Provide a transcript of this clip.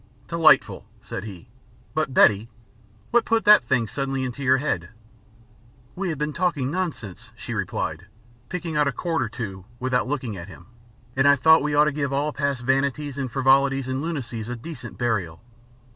"Delightful," said he. "But, Betty, what put that thing suddenly into your head?" "We had been talking nonsense," she replied, picking out a chord or two, without looking at him. "And I thought we ought to give all past vanities and frivolities and lunacies a decent burial."